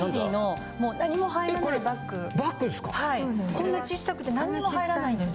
こんな小さくて何も入らないんです。